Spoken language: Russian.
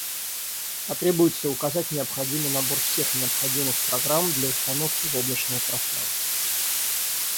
Потребуется указать необходимый набор всех необходимых программ для установки в облачное пространство